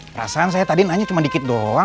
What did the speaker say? perasaan saya tadi nanya cuma dikit doang